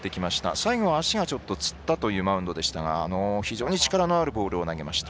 最後足がつったというマウンドでしたが非常に力のあるボールを投げました。